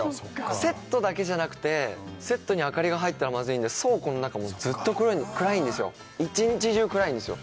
セットだけじゃなくてセットに明かりが入ったらまずいんで倉庫の中もずっと暗いんですよ一日中暗いんですよ